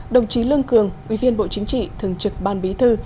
đồng chí lương cường ủy viên bộ chính trị thường trực ban bí thư